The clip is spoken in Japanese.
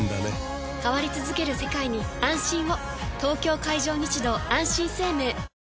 東京海上日動あんしん生命